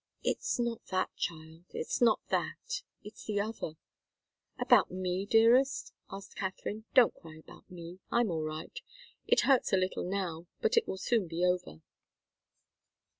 "It's not that, child it's not that! It's the other " "About me, dearest?" asked Katharine. "Don't cry about me. I'm all right. It hurts a little now, but it will soon be over."